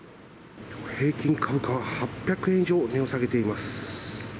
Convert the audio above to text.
平均株価は８００円以上値を下げています。